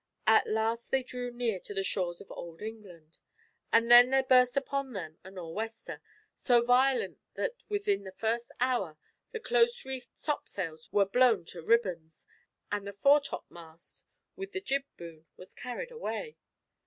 At last they drew near to the shores of Old England, and then there burst upon them a nor wester, so violent that within the first hour the close reefed topsails were blown to ribbons, and the foretopmast, with the jib boom, was carried away.